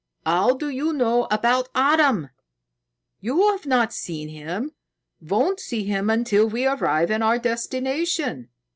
"How do you know about Adam? You have not seen him, won't see him until we arrive at our destination."